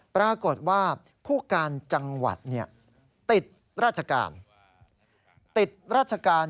ปรากฏว่าผู้การจังหวัดติดราชการ